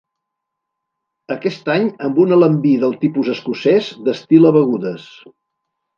Aquest any amb un alambí del tipus escocès destil·la begudes.